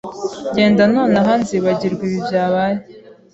Genda nonaha nzibagirwa ibi byabaye.